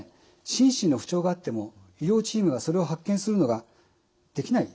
心身の不調があっても医療チームがそれを発見するのができない。